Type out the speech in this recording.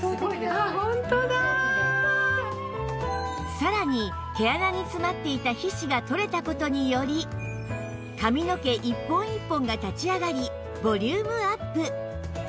さらに毛穴に詰まっていた皮脂が取れた事により髪の毛一本一本が立ち上がりボリュームアップ！